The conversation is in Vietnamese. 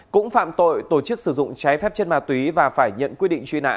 cũng phạm tội tổ chức sử dụng trái phép chất ma túy và phải nhận quyết định truy nã